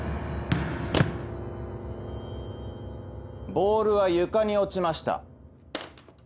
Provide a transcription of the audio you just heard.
ボールは床に落ちました。